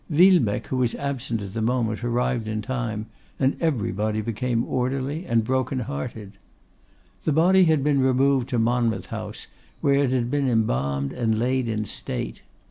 Villebecque, who was absent at the moment, arrived in time; and everybody became orderly and broken hearted. The body had been removed to Monmouth House, where it had been embalmed and laid in state.